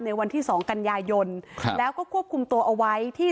วันที่สองกันยายนครับแล้วก็ควบคุมตัวเอาไว้ที่